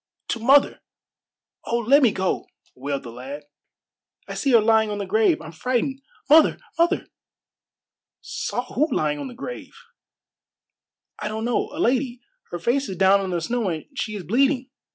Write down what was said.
"To mother. Oh, let me go!" wailed the lad. "I see her lying on the grave. I'm frightened. Mother! mother!" "Saw who lying on the grave?" "I don't know. A lady. Her face is down in the snow, and she is bleeding.